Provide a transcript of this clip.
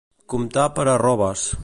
Comptar per arroves.